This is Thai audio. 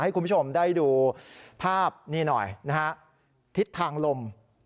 ให้คุณผู้ชมได้ดูภาพนี่หน่อยนะฮะทิศทางลม